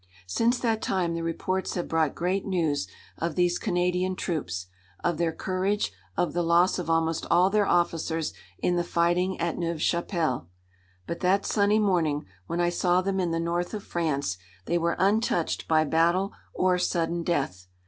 Since that time the reports have brought great news of these Canadian troops, of their courage, of the loss of almost all their officers in the fighting at Neuve Chapelle. But that sunny morning, when I saw them in the north of France, they were untouched by battle or sudden death.